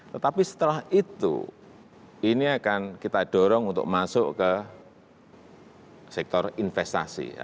tetapi setelah itu ini akan kita dorong untuk masuk ke sektor investasi